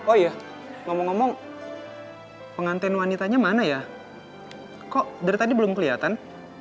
oh iya ngomong ngomong penganten wanitanya mana ya kok dari tadi belum kelihatan